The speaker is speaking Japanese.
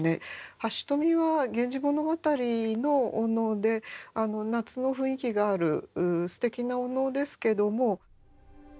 「半蔀」は「源氏物語」のお能で夏の雰囲気があるすてきなお能ですけども。